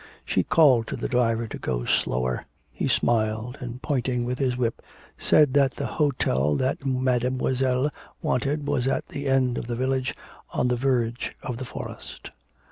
She called to the driver to go slower; he smiled, and pointing with his whip said that the hotel that Mademoiselle wanted was at the end of the village, on the verge of the forest.